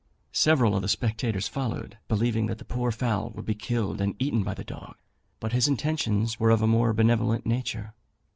Several of the spectators followed, believing that the poor fowl would be killed and eaten by the dog; but his intentions were of a more benevolent nature.